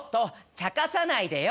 ちゃかさないでよ。